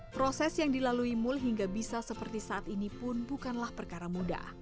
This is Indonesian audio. proses yang dilalui mul hingga bisa seperti saat ini pun bukanlah perkara mudah